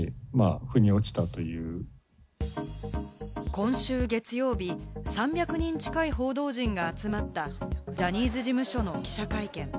今週月曜日、３００人近い報道陣が集まったジャニーズ事務所の記者会見。